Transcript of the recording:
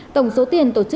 tổng số tiền tổ chức